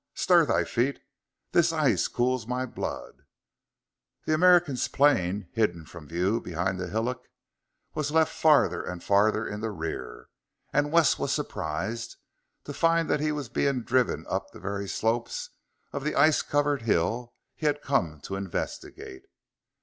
Stir thy feet! This ice cools my blood!" The American's plane, hidden from view behind the hillock, was left farther and farther in the rear, and Wes was surprised to find that he was being driven up the very slopes of the ice covered hill he had come to investigate.